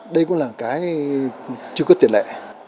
đây cũng là cái chưa có tiền lệ